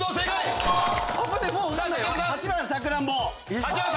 ８番さくらんぼ。